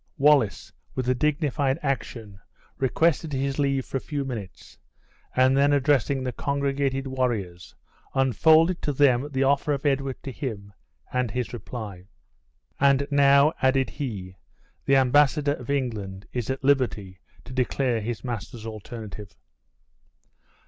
Wallace, with a dignified action, requested his leave for a few minutes, and then addressing the congregated warriors unfolded to them the offer of Edward to him, and his reply. "And now," added he, "the embassador of England is at liberty to declare his master's alternative."